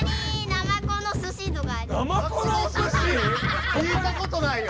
ナマコのおすし⁉聞いたことないよ！